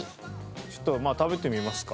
ちょっと食べてみますか。